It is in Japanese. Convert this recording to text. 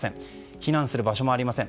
避難する場所もありません。